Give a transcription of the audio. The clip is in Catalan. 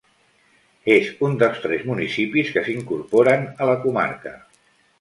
És un dels tres municipis que s'incorporen a la comarca.